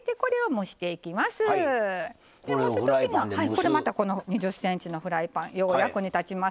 これまた２０ｃｍのフライパンよう役に立ちます。